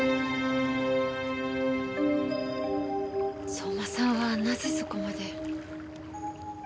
相馬さんはなぜそこまで。